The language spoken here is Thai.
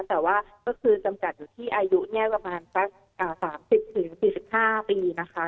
แต่ว่าก็คือจำกัดอยู่ที่อายุเนี่ยประมาณสัก๓๐๔๕ปีนะคะ